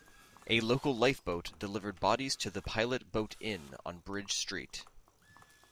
A local lifeboat delivered bodies to the Pilot Boat Inn on Bridge Street.